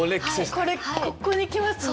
これここに来ますね。